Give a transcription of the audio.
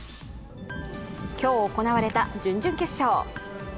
今日行われた準々決勝。